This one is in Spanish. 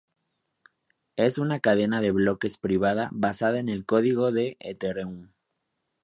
Es una cadena de bloques privada basada en el código de Ethereum.